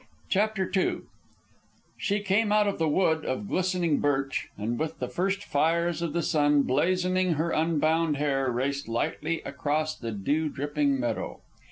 CHAPTER II She came out of the wood of glistening birch, and with the first fires of the sun blazoning her unbound hair raced lightly across the dew dripping meadow.